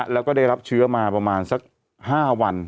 แล้วก็ได้รับเชื้อมาประมาณสัก๕วัน